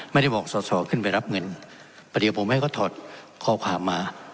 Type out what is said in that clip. ไม่ได้บอกสอสอขึ้นไปรับเงินเพราะเดี๋ยวผมให้เขาถอดข้อความมา